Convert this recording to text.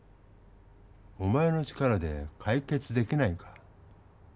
お前の力でかい決できないか？